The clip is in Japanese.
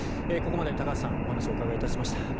ここまで高橋さんにお話をお伺いしました。